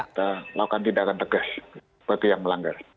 kita lakukan tindakan tegas bagi yang melanggar